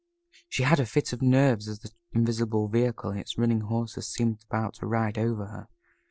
She had a fit of nerves as the invisible vehicle and its running horses seemed about to ride over her.